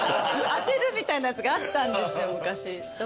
当てるみたいなやつがあったんですよ昔。